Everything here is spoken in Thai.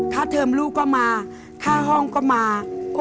เทอมลูกก็มาค่าห้องก็มา